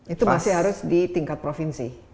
itu masih harus di tingkat provinsi